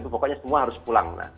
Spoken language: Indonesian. pokoknya semua harus pulang